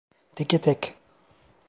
Teke tek.